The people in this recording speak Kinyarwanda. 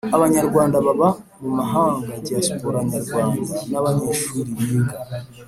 abanyarwanda baba mu mahanga diaspora Nyarwanda n abanyeshuri biga